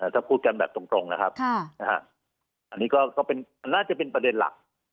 ถ้าพูดกันแบบตรงนะครับอันนี้ก็น่าจะเป็นประเด็นหลัก